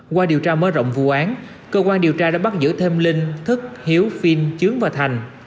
qua điều tra mớ rộng vụ án cơ quan điều tra đã bắt giữ thêm linh thức hiếu phin chướng và thành